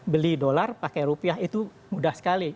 beli dolar pakai rupiah itu mudah sekali